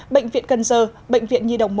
bệnh viện cân dơ bệnh viện nhi động một